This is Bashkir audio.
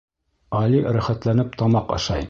Али рәхәтләнеп тамаҡ ашай.